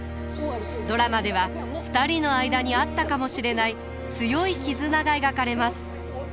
ドラマでは２人の間にあったかもしれない強い絆が描かれます。